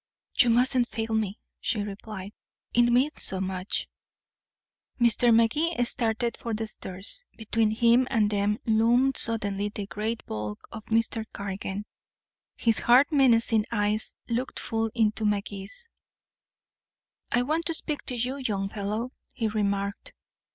"You mustn't fail me," she replied. "It means so much." Mr. Magee started for the stairs. Between him and them loomed suddenly the great bulk of Mr. Cargan. His hard menacing eyes looked full into Magee's. "I want to speak to you, young fellow," he remarked.